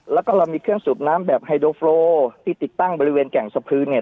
แล้วก็เรามีเครื่องสูบน้ำแบบไฮโดโฟลที่ติดตั้งบริเวณแก่งสะพื้นเนี่ย